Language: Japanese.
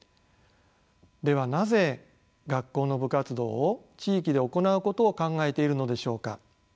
ではなぜ学校の部活動を地域で行うことを考えているのでしょうか。